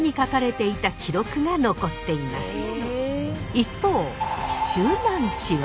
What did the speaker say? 一方周南市は。